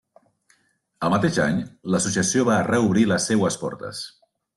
El mateix any l'associació va reobrir les seues portes.